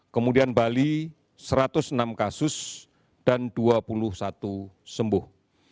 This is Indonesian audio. kemudian bali satu ratus enam kasus dan dua puluh satu sembuh